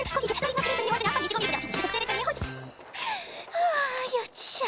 はあよっしゃ